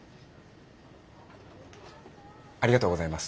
ありがとうございます。